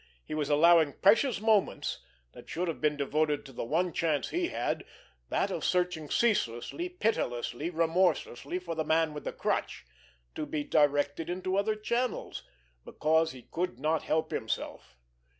He was allowing precious moments that should have been devoted to the one chance he had, that of searching ceaselessly, pitilessly, remorselessly, for the Man with the Crutch, to be directed into other channels—because he could not help himself.